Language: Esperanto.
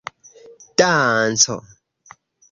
danco